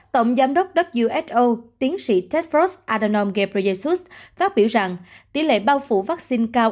tổng giám đốc who tiến sĩ tedros adhanom ghebreyesus phát biểu rằng tỷ lệ bao phủ vaccine cao